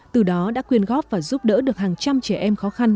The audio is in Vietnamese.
từ đó đã quyên góp và giúp đỡ được hàng trăm trẻ em khó khăn